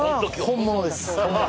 本物です